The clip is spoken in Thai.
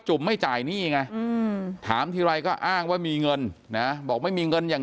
ไม่จ่ายหนี้ไงถามทีไรก็อ้างว่ามีเงินนะบอกไม่มีเงินอย่าง